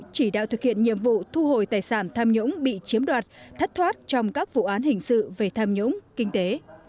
chỉ đạo thực hiện nhiệm vụ thu hồi tài sản tham nhũng bị chiếm đoạt thất thoát trong các vụ án hình sự về tham nhũng kinh tế